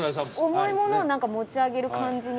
重いものを何か持ち上げる感じに。